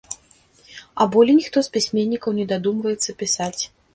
А болей ніхто з пісьменнікаў не дадумваецца пісаць.